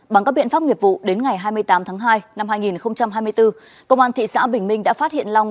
bằng các biện pháp nghiệp vụ đến ngày hai mươi tám tháng hai năm hai nghìn hai mươi bốn công an thị xã bình minh đã phát hiện long